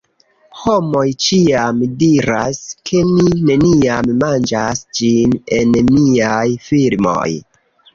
Homoj ĉiam diras, ke mi neniam manĝas ĝin en miaj filmoj